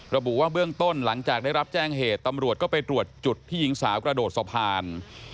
ระบุว่าเบื้องต้นหลังจากได้รับแจ้งเหตุตำรวจก็ไปตรวจจุดที่หญิงสาวกระโดดสะพาน